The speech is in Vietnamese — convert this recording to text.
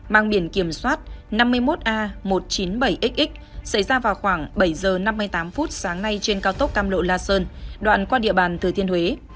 mang biển kiểm soát năm mươi một a một trăm chín mươi bảy xx xảy ra vào khoảng bảy h năm mươi tám phút sáng nay trên cao tốc cam lộ la sơn đoạn qua địa bàn thừa thiên huế